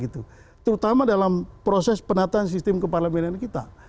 terutama dalam proses penataan sistem keparlemen kita